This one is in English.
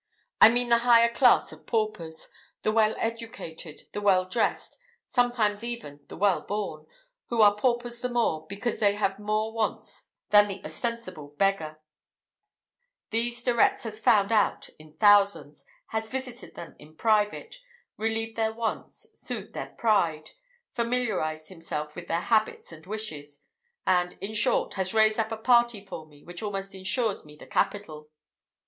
I mean the higher class of paupers the well educated, the well dressed, sometimes even the well born, who are paupers the more, because they have more wants than the ostensible beggar; these De Retz has found out in thousands, has visited them in private, relieved their wants, soothed their pride, familiarized himself with their habits and wishes, and, in short, has raised up a party for me which almost insures me the capital."